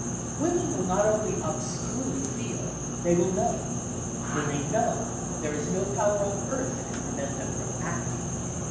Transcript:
Women will not only obscurely feel, they will know; when they know, there is no power on earth that can prevent them from acting.